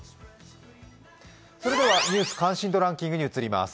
ニュース関心度ランキングに移ります。